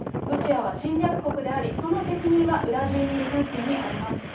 ロシアは侵略国であり、その責任はウラジーミル・プーチンにあります。